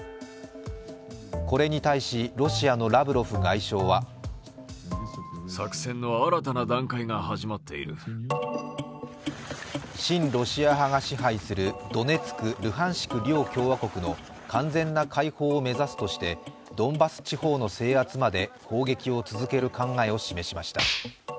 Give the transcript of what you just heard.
これに対し、ロシアのラブロフ外相は親ロシア派が支配するドネツク・ルハンシク両共和国の完全な解放を目指すとしてドンバス地方の制圧まで攻撃を続ける考えを示しました。